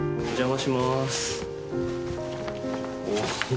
お邪魔しまーす。